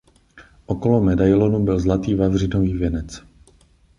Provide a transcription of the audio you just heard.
Okolo medailonu byl zlatý vavřínový věnec.